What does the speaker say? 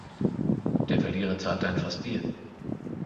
Der Verlierer zahlt ein Fass Bier.